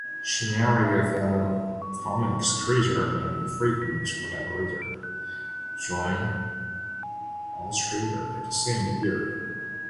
She married a fellow comics creator, and frequent collaborator, John Ostrander the same year.